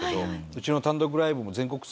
うちの単独ライブも全公演！？